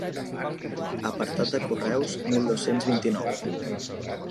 Apartat de Correus mil dos-cents vint-i-nou.